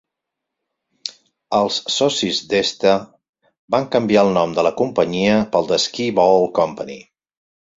Els socis d'Este van canviar el nom de la companyia pel de Skee-Ball Company.